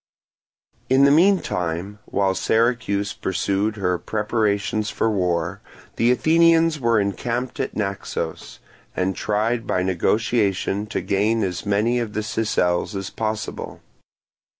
In the meantime, while Syracuse pursued her preparations for war, the Athenians were encamped at Naxos, and tried by negotiation to gain as many of the Sicels as possible.